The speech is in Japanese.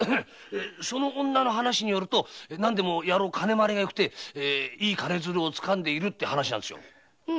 その女によると何でも野郎金回りがよくていい金づるを掴んでるって話ですよ。